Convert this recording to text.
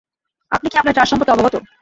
আপনি কী আপনার চার্জ সম্পর্কে অবগত?